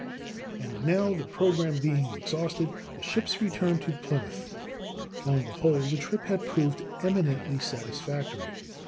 ] And now, the program being exhausted, the ships returned to Plymouth. On the whole, the trip had proved eminently satisfactory.